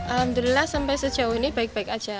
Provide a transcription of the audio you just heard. alhamdulillah sampai sejauh ini baik baik saja